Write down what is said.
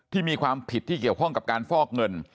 ที่มีความผิดที่เกี่ยวข้องกับการฟอกเงิน